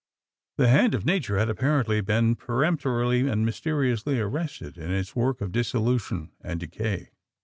The hand of nature had apparently been peremptorily and mysteriously arrested in its work of dissolution and decay.